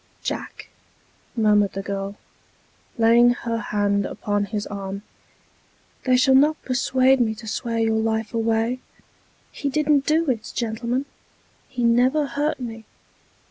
" Jack," murmured the girl, laying her hand upon his arm, " they shall not persuade me to swear your life away. He didn't do it, gentlemen. He never hurt me."